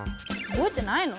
おぼえてないの？